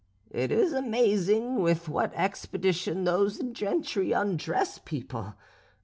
It is amazing with what expedition those gentry undress people.